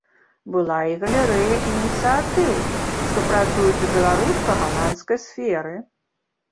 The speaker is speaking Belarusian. Была і галерэя ініцыятыў, што працуюць у беларуска-галандскай сферы.